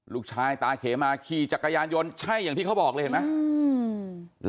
ตาเขมาขี่จักรยานยนต์ใช่อย่างที่เขาบอกเลยเห็นไหม